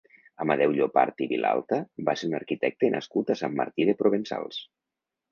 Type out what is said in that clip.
Amadeu Llopart i Vilalta va ser un arquitecte nascut a Sant Martí de Provençals.